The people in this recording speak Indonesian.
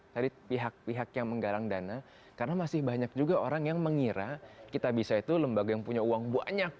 tadi pihak pihak yang menggalang dana karena masih banyak juga orang yang mengira kitabisa itu lembaga yang punya uang banyak